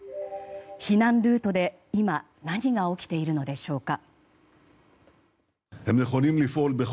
避難ルートで今何が起きているのでしょうか。